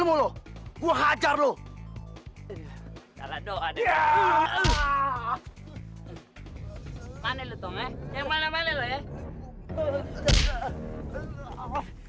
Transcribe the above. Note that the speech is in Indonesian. mau hajar lo salah doa ya mana lu tong yang mana mana lo ya